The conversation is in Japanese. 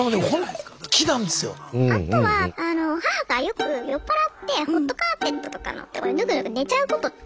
あとはあの母がよく酔っ払ってホットカーペットとかのとこにヌクヌク寝ちゃうことって。